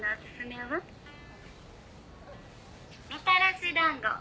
「みたらし団子」